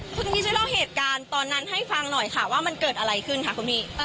คุณพี่ช่วยเล่าเหตุการณ์ตอนนั้นให้ฟังหน่อยค่ะว่ามันเกิดอะไรขึ้นค่ะคุณพี่